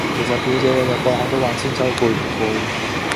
其實表姐日日放學都玩韆鞦攰唔攰